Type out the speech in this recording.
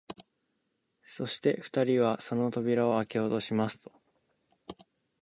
そして二人はその扉をあけようとしますと、